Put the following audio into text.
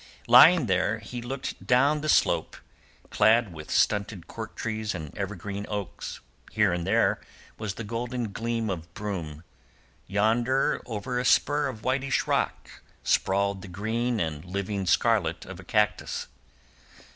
Lying there he looked down the slope, clad with stunted cork trees and evergreen oaks; here and there was the golden gleam of broom; yonder over a spur of whitish rock sprawled the green and living scarlet of a cactus.